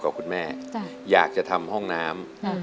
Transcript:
อเรนนี่คือเหตุการณ์เริ่มต้นหลอนช่วงแรกแล้วมีอะไรอีก